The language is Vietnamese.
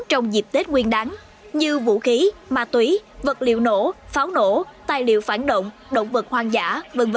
tết nguyên đán như vũ khí ma túy vật liệu nổ pháo nổ tài liệu phản động động vật hoang dã v v